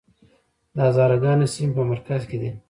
د هزاره ګانو سیمې په مرکز کې دي